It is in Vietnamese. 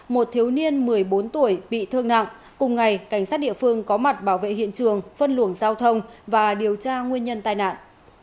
một thiếu niên một mươi bốn tuổi bị thương nặng cùng ngày cảnh sát địa phương có mặt bảo vệ hiện trường phân luồng giao thông và điều tra nguyên nhân tai nạn